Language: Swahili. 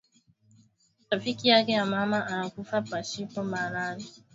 Rafiki yake ya mama ana kufa pashipo malari